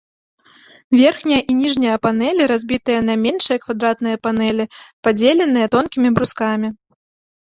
Верхняя і ніжняя панэлі разбітыя на меншыя квадратныя панэлі, падзеленыя тонкімі брускамі.